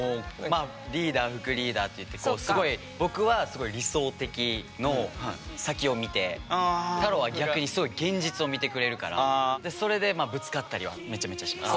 まあリーダー副リーダーっていってこうすごい僕はすごい理想的の先を見てタローは逆にすごい現実を見てくれるからそれでぶつかったりはめちゃめちゃします。